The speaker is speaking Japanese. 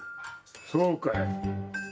そうかい。